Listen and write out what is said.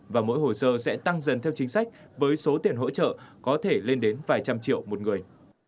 và mỗi hồ sơ sẽ tăng dần theo chính sách với số tiền hỗ trợ có thể lên đến vài trăm triệu một người